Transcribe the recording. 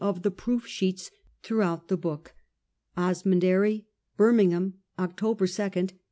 of the proof sheets throughout the book. OSMUND AIRY. Birmingham, October 2, 18S8.